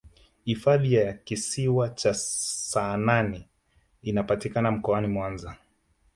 hifadhi ya kisiwa cha saanane inapatika mkoani mwanza